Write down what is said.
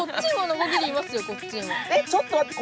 えっちょっと待って。